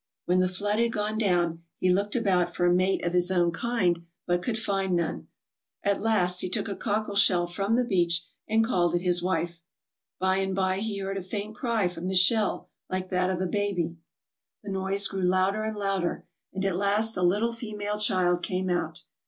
When the flood had gone down, he looked about for a mate of his own kind, but could find none. At last he took a cockle shell from the beach and called it his wife. By and by he heard a faint cry from the shell like that of a baby. The noise grew louder and louder, and at last a little female child came out.